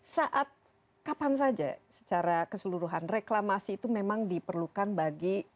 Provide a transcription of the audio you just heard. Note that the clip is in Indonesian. saat kapan saja secara keseluruhan reklamasi itu memang diperlukan bagi